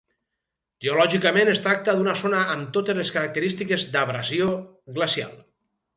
Geològicament es tracta d'una zona amb totes les característiques d'abrasió glacial.